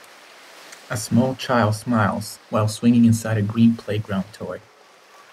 A small child smiles while swinging inside a green playground toy.